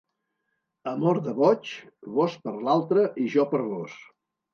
Amor de boig, vós per altre i jo per vós.